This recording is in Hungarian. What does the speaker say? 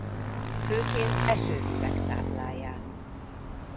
Főként esővízek táplálják.